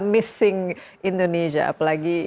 missing indonesia apalagi